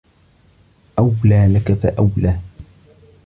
أَولى لَكَ فَأَولى